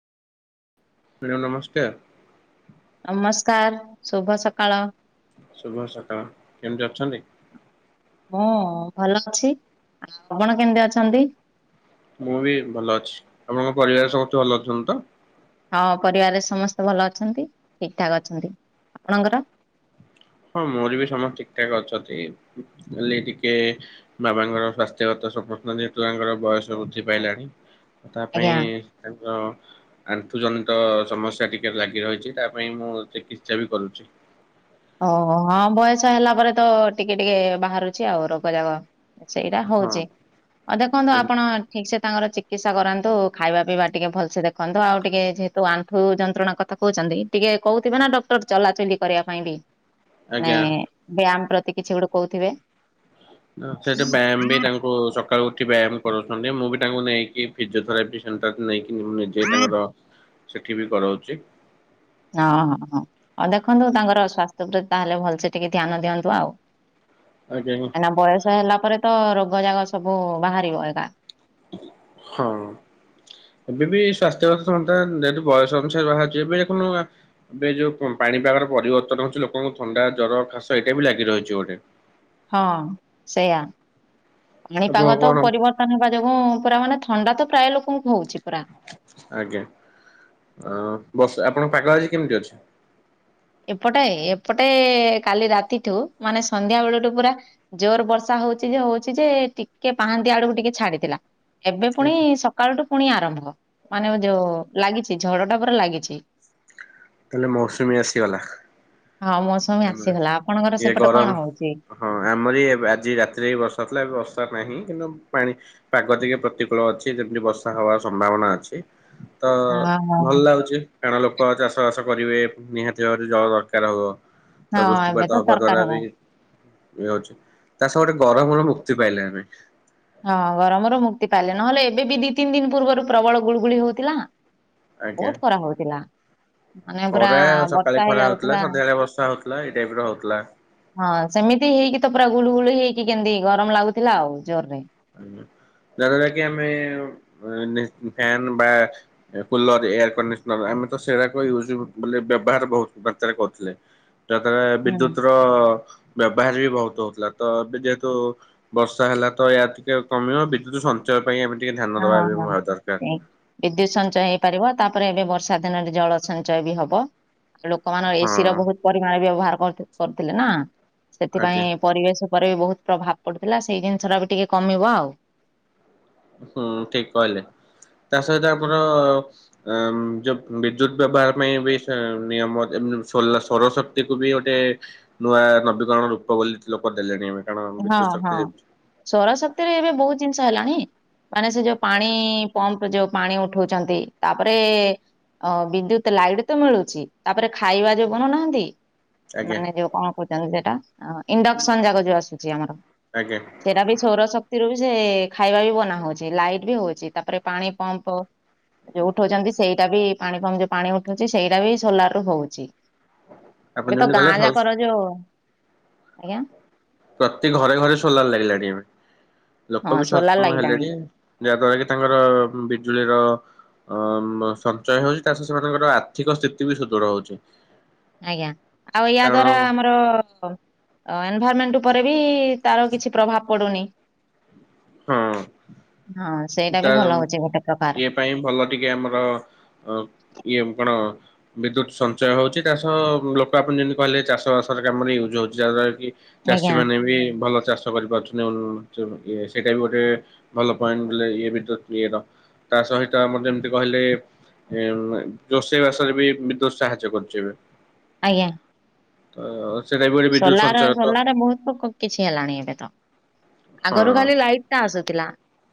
Madam ନମସ୍କାର। ନମସ୍କାର ଶୁଭ ସକାଳ। ଶୁଭ ସକାଳ କେମ୍ ତି ଅଛନ୍ତି? ମୁଁ ଭଲ ଅଛି ଆପଣ କେମିତି ଅଛନ୍ତି? ମୁଁ ବି ଭଲ ଅଛି ଆପଣଙ୍କ ପରିବାରରେ ସମସ୍ତେ ଭଲ ଅଛନ୍ତି ତ? ହଁ ପରିବାରରେ ସମସ୍ତେ ଭଲ ଅଛନ୍ତି ଠିକ୍ ଠାକ୍ ଅଛନ୍ତି ଆପଣଙ୍କର? ହଁ ମୋର ବି ସମସ୍ତେ ଠିକ୍ ଠାକ୍ ଅଛନ୍ତି ହେଲି ଟିକେ ବାବାଙ୍କର ସ୍ୱାସ୍ଥ୍ୟଗତ ସମ୍ପୂର୍ଣ ଯେହେତୁ ତାଙ୍କର ବୟସ ବୃଦ୍ଧି ପାଇଲାଣି ତା ପାଇଁ ଆଜ୍ଞା ତାଙ୍କର ଆଣ୍ଠୁଜନିତ ସମସ୍ୟା ଟିକେ ଲାଗି ରହିଛି ତା ପାଇଁ ମୁଁ ଚିକିତ୍ସା ବି କରୁଚି। ଓ ହଁ ବୟସ ହେଲା ପରେ ତ ଟିକେ ଟିକେ ବାହାରୁଚି ଆଉ ରୋଗ ଯାକ। ସେଇଟା ହଁ ହଉଚି ଆଉ ଦେଖନ୍ତୁ ଯେମିତି- ଆପଣ ଠିକ୍ ସେ ତାଙ୍କର ଚିକିତ୍ସା କରାନ୍ତୁ ଖାଇବା ପିଇବା ଟିକେ ଭଲସେ ଦେଖନ୍ତୁ ଆଉ ଟିକେ ଯେହେତୁ ଆଣ୍ଠୁ ଯନ୍ତ୍ରଣା କ ଥା କହୁଛନ୍ତି ଟିକେ କହୁଥିବେ ନା ଡକ୍ଟର ଚଲାଚଲି କରିବା ପାଇଁ ବି? ଆଜ୍ଞା। ନାଇଁ ବ୍ୟାୟାମ୍ ପ୍ରତି କିଛି ଗୋଟେ କହୁଥିବେ। ହଁ ସେଟା ବ୍ୟାୟାମ୍ ବି ତାଙ୍କୁ ଭୋର୍ ସକାଳୁ ଉଠି ବ୍ୟାୟାମ କରୁଛନ୍ତି ମୁଁ ବି ତାଙ୍କୁ ନେଇକି ଫିଜିଓଥେରାପି ସେଣ୍ଟର ନେଇକି ମୁଁ ନେଇକି ଯିଏ ତାଙ୍କର ସେଠି ବି କରାଉଛି ହଁ ହଁ ହଁ ଆଉ ଦେଖନ୍ତୁ ତାଙ୍କର ସ୍ୱାସ୍ଥ୍ୟ ଉପରେ ତାହେଲେ ଭଲସେ ଟିକେ ଧ୍ୟାନ ଦିଅନ୍ତୁ ଆଉ ଆଜ୍ଞା ଆଜ୍ଞା ନା ବୟସ ହେଲା ପରେ ତ ରୋଗ ଜାଗ ସବୁ ବାହାରିବ ଏକା ହଁ ଏବେ ବି ସ୍ୱାସ୍ଥ୍ୟ ବ୍ୟବସ୍ଥା ନିହାତି ବୟସ ଅନୁସାରେ ବାହଛି ଏବେ ଦେଖୁ ଏବେ ଯୋଉ ପାଣିପାଗର ପରିବର୍ତ୍ତନ ହଉଛି ଲୋକଙ୍କୁ ଥଣ୍ଡା ଜର ଖାସ ଏଇଟା ବି ଲାଗି ରହିଛି ଗୋଟେ। ହଁ ସେଇୟା ଆପଣ ପାଣିପାଗ ତ କଣ ପରିବର୍ତ୍ତ ପାନିପା ଯୋଗୁଁ ପୁରା ମାନେ ଥଣ୍ଡା ତ ପ୍ରାୟ ଲୋକଙ୍କୁ ହଉଛି ପୁରା ଆଜ୍ଞା ଅ ବସ୍ ଆପଣଙ୍କ ପାଗ ଆଜି କେମିତି ଅଛି? ଏପଟେ ଏପଟେ କାଲି ରାତିଠୁ ମାନେ ସନ୍ଧ୍ୟା ବେଳଠୁ ପୁରା ଜୋର ବର୍ଷା ହଉଛି ଯେ ହଉଛି ଯେ ଟିକେ ପାହାନ୍ତି ଆଡକୁ ଟିକେ ଛାଡିଥିଲା। ଏବେ ପୁଣି ସକାଳଠୁ ପୁଣି ଆରମ୍ଭ ମାନେ ଯୋଉ ଲାଗିଛି ଝଡ ଟା ପୁରା ଲାଗିଛି ତାହେଲେ ମୌସୁମୀ ଆସିଗଲା। ହଁ ମୌସୁମୀ ଆମର ଆସିଗଲା ଆପଣଙ୍କର ଇଏ ସେପଟେ ଗରମ କଣ ହଉଛି? ହଁ ଆମର ଏଇ ଏବେ ଆଜି ରାତିରେ ବି ବର୍ଷା ହଉଥିଲା ଏବେ ବର୍ଷା ନାହିଁ କିନ୍ତୁ ପାଣି ପାଗ ତିକେ ପ୍ରତିକୂଳ ଅଛି ଯେମିତି ବର୍ଷା ହବାର ସମ୍ଭାବନା ଅଛି। ତ ହଁ ହଁ। ଭଲ ଲାଗୁଛି କାରଣ ଲୋକ ଚାଷବାସ କରିବେ ନିହାତି ଭାବରେ ଜଳ ଦରକାର ହେବ ହଁ ତ ଏବେ ତ ବୃଷ୍ଟିପାତ ହବା ଦରକାର ଦ୍ୱାରା ହବ। ବି ଇଏ ହଉଛି ତା ସହ ଗୋଟେ ଗରମରୁ ମୁକ୍ତି ପାଇଲେ ଆମେ। ହଁ ଗରମରୁ ମୁକ୍ତି ପାଇଲେ ନହେଲେ ଏବେ ବି ଦି ତିନି ଦିନ ପୂର୍ବରୁ ପ୍ରବଳ ଗୁଳୁଗୁଳି ହଉଥିଲା ଆଜ୍ଞା। ବହୁତ୍ ଖରା ହଉଥିଲା। ମାନେ ପୁରା ଖରା ବର୍ଷା ସକାଳେ ଖରା ହଉଥିଲା ହେଇଯାଉଥିଲା। ସନ୍ଧ୍ୟାବେଳେ ବର୍ଷା ହଉଥିଲା ଏଇ ଟାଇପ ର ହଉଥିଲା। ହଁ ସେମିତି ହେଇକି ତ ପୁରା ଗୁଳୁ ଗୁଳି ହେଇକି କେମିତି ଗରମ ଲାଗୁଥିଲା ଆଉ ଜୋର ରେ ଯାହାଦ୍ୱାରା କିି ଆମେ [unintelligible] ଫ୍ୟାନ ବା କୁଲର ଏୟାର କଣ୍ଡିସନର ଆମେ ତ ସେଗୁଡାକ ୟୁଜ ବୋଲେ ବ୍ୟବହାର ବହୁତ ମାତ୍ରାରେ କରୁଥିଲେ। ଯାହାଦ୍ୱାରା ହୁଁ ବିଦ୍ୟୁତ୍ ର ର ବ୍ୟବହାର ବି ବହୁତ ହଉଥିଲା ତ ଏବେ ଯେହେତୁ ବର୍ଷା ହେଲା ତ ୟା ଟିକେ କମିବ ବିଦ୍ୟୁତ ସଞ୍ଚୟ ପାଇଁ ଆମେ ଟିକେ ଧ୍ୟାନ ଦବା ବି ଦରକାର। ବିଦ୍ୟୁତ୍ ସଞ୍ଚୟ ହେଇପାରିବ ତାପରେ ଏବେ ବର୍ଷା ଦିନରେ ଜଳ ସଞ୍ଚୟ ବି ହବ। ଲୋକମାନ ଏସି ର ହଁ ବହୁତ୍ ପରିମାଣରେ ବ୍ୟବହାର କରିଥିଲେ କରୁଥିଲେ ନା ଆଜ୍ଞା ସେଥିପାଇଁ ପରିବେଶ ଉପରେ ବି ବହୁତ ପ୍ରଭାବ ପଡୁଥିଲା ସେଇ ଜିନିଷ ଟା ବି ଟିକେ କମିବ ଆଉ। ହୁଁ ଠିକ୍ କହିଲେ ତା ସହିତ ଆମର ଆ ଯୋଉ ବିଦ୍ୟୁତ ବ୍ୟବହାର ପାଇଁ ବି ନିୟମ ଯେମିତି ସୋଲାର୍ ସୌର ଶକ୍ତି କୁ ବି ଗୋଟେ ନୂଆ ନବୀକରଣ ରୂପ ବୋଲି ଲୋକ ଦେଲେଣି ଏବେ। କାରଣ ହଁ ବିଦ୍ୟୁତ ଶକ୍ତି ହଁ ଯେ ସୌରଶକ୍ତିରେ ଏବେ ବହୁତ ଜିନିଷ ହେଲାଣି ମାନେ ସେ ଯୋଉ ପାଣି ଆଜ୍ଞା ପମ୍ପ ଯୋଉ ପାଣି ଉଠଉଛନ୍ତି ତାପରେ ଅ ବିଦ୍ୟୁତ ଲାଇଟ ତ ମିଳୁଛି ତାପରେ ଖାଇବା ଯୋଉ ବନଉନାହାନ୍ତି ଆଜ୍ଞା ମାନେ ଯୋଉ କଣ କହୁଛନ୍ତି ସେଟା ଇଣ୍ଡକ୍ସନ ଯାଗ ଯୋଉ ଆସୁଛି ଆମର ଆଜ୍ଞା ସେଇଟା ବି ସୋର ଶକ୍ତିରୁ ବି ସେ ଖାଇବା ବି ବନା ହଉଛି ଲାଇଟ ବି ହଉଛି ତାପରେ ପାଣି ପମ୍ପ ଯୋଉ ଉଠଉଛନ୍ତି ସେଇଟା ବି ପାଣି ଫମ୍ ଯୋଉ ପାଣି ଉଠଉଛି ସେଇଟା ବି ସୋଲାର ରୁ ହଉଛି। ଆପଣ ଏବେ ତ ଯେମିତି କହିଲେ ଗାଁ ସ ଯାକର ଯୋଉ, ଆଜ୍ଞା ପ୍ରତି ଘରେ ଘରେ ସୋଲାର ଲାଗିଲାଣି ଏ ହଁ ଲୋକ ବି ସୋଲାର ସଚେତନ ଲାଗିଲାଣି ହେଲେଣି ଯାହା ଦ୍ଵାରା କି ତାଙ୍କର ବିଜୁଳିର ଅ ସଞ୍ଚୟ ହଉଛି ତା ସ ସେମାନଙ୍କର ଆର୍ଥିକ ସ୍ଥିତି ବି ସୁଦୃଢ ହଉଛି। ଆଜ୍ଞା ଆଉ ୟା କାରଣ ଦ୍ଵାରା ଆମର ଏନଭାରମେଣ୍ଟ ଉପରେ ବି ତାର କିଛି ପ୍ରଭାବ ପଡୁନି। ହଁ ହଁ ସେଇଟା ତା ବି ଭଲ ହଉଛି ଗୋଟେ ପ୍ରକାର ଇଏ ପାଇଁ ଭଲ ଟିକେ ଆମର ଅ ଇଏ କଣ? ବିଦ୍ୟୁତ ସଞ୍ଚୟ ହଉଛି ତା ସହ ଲୋକ ଆପଣ ଯେମିତି କହିଲେ ଚାଷ ବାସରେ କାମରେ ୟୁଜ୍ ହଉଛି ଯାହାଦ୍ଵାରା କି ଚାଷୀ ଆଜ୍ଞା ମାନେ ବି ଭଲ ଚାଷ କରିପାରୁଛନ୍ତି। ଇଏ ସେଇଟା ବି ଗୋଟେ ଭଲ ପଏଣ୍ଟ ବୋଲେ ୟେ ବିଦ୍ୟୁତ ୟେର ତା ସହିତ ଆମର ଯେମତି କହିଲେ ରୋଷେଇ ବାସରେ ବି ବିଦ୍ୟୁତ ସାହାଯ୍ୟ କରୁଛି ଏବେ। ଆଜ୍ଞା। ତ ସେଇଟା ବି ଗୋଟେ ବିଦ୍ୟୁତ ସଲାର ସଞ୍ଚୟ ତ ସୋଲାରେ ବହୁତ ପୋକ କିଛି ହେଲାଣି ଏବେ ତ ହଁ। ଆଗରୁ ଖାଲି ଲାଇଟ୍ ଟା ଆସୁଥିଲା।